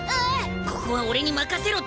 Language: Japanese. ここは俺に任せろってよ！